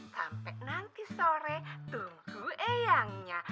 sampai nanti sore tunggu eyangnya